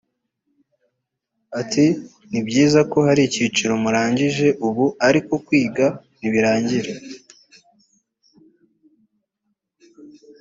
Ati “Ni byiza ko hari icyiciro murangije ubu ariko kwiga ntibirangira